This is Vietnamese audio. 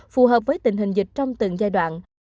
phù hợp với tình hình dịch trong từng giai đoạn